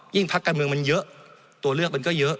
พักการเมืองมันเยอะตัวเลือกมันก็เยอะ